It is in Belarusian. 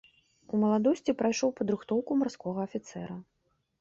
У маладосці прайшоў падрыхтоўку марскога афіцэра.